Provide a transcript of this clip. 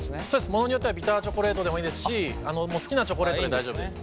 ものによってはビターチョコレートでもいいですし好きなチョコレートで大丈夫です。